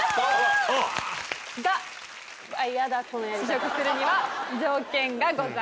が試食するには条件がございます。